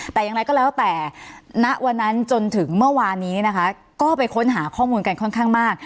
แต่อย่างไรก็แล้วแต่ณวันนั้นจนถึงเมื่อวานนี้นะคะก็ไปค้นหาข้อมูลกันค่อนข้างมาก